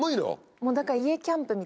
もうだから。